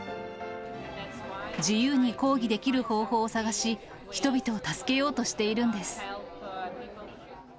自由に抗議できる方法を探し、人々を助けようとしているんです。